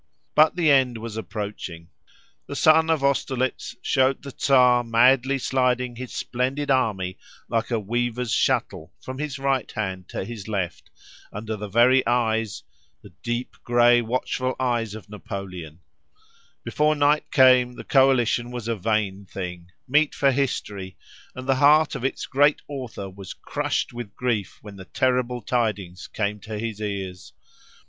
But the end was approaching. The sun of Austerlitz showed the Czar madly sliding his splendid army like a weaver's shuttle from his right hand to his left, under the very eyes—the deep, grey, watchful eyes of Napoleon; before night came, the coalition was a vain thing—meet for history, and the heart of its great author was crushed with grief when the terrible tidings came to his ears.